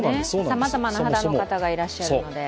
さまざまな肌の方がいらっしゃるので。